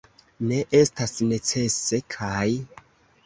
Ne estas necese, kaj.